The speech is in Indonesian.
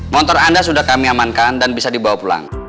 motor anda sudah kami amankan dan bisa dibawa pulang